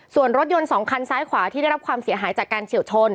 ส่วนรถยนต์๒คันซ้ายขวาที่ได้รับความเสียหายจากการเฉียวชน